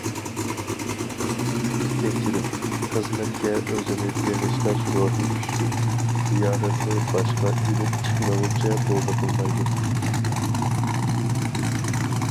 ئىككىنچىدىن، خىزمەتكە ئۆزىنى بېغىشلاش روھى كۈچلۈك، زىيارەتنى باشقا ئېلىپ چىقمىغۇچە بولدى قىلمايدۇ.